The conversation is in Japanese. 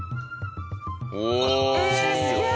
ええすげえ！